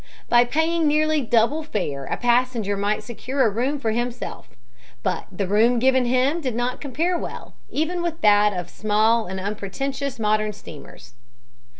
By paying nearly double fare a passenger might secure a room for himself, but the room given him did not compare well even with that of small and unpretentious modern steamers.